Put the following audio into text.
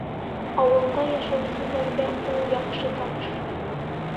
Ауылда йәшәүселәргә ул яҡшы таныш.